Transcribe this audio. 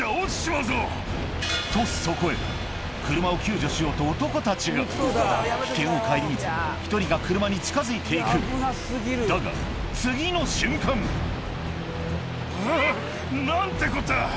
とそこへ車を救助しようと男たちが危険を顧みず１人が車に近づいて行くだが次の瞬間あぁ何てこった！